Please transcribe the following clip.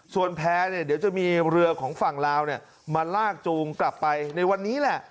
ส่วนแพร่เนี่ยเดี๋ยวจะมีเรือของฝั่งลาวมาลากจูงกลับไปในวันนี้แหละ